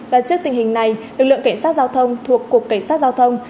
và trước tình hình này lực lượng cảnh sát giao thông thuộc cục cảnh sát giao thông